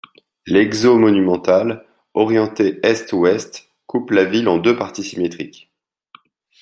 L'Eixo monumental, orienté est-ouest, coupe la ville en deux parties symétriques.